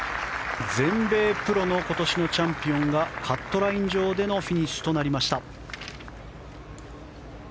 全米プロの今年のチャンピオンがカットライン上でのフィニッシュとなりました。